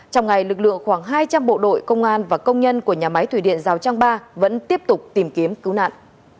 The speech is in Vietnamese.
trong ngày lực lượng khoảng hai trăm linh bộ đội công an và công nhân của nhà máy thủy điện giao trang ba vẫn tiếp tục tìm kiếm cứu nạn